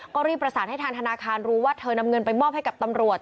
ก็รีบประสานให้ทางธนาคารรู้ว่าเธอนำเงินไปมอบให้กับตำรวจ